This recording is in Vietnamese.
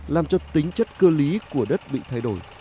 làm cho tính chất cơ lý của đất bị thay đổi